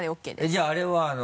じゃああれは？